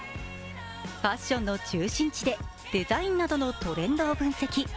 ファッションの中心地でデザインなどのトレンドを分析。